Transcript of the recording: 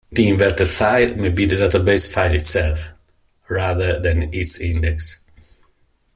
The inverted file may be the database file itself, rather than its index.